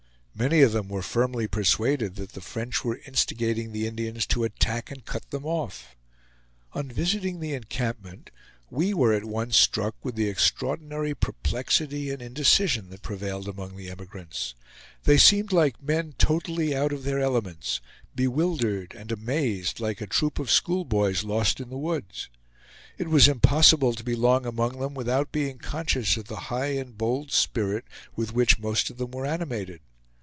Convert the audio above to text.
Many of them were firmly persuaded that the French were instigating the Indians to attack and cut them off. On visiting the encampment we were at once struck with the extraordinary perplexity and indecision that prevailed among the emigrants. They seemed like men totally out of their elements; bewildered and amazed, like a troop of school boys lost in the woods. It was impossible to be long among them without being conscious of the high and bold spirit with which most of them were animated.